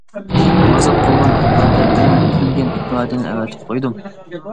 -مازاق قىلغان ئىپادە بىلەن كۈلگەن ئىپادىنى ئەۋەتىپ قويدۇم.